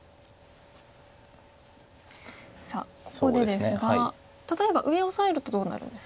さあここでですが例えば上オサえるとどうなるんですか？